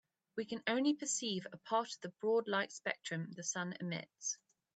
We can only perceive a part of the broad light spectrum the sun emits.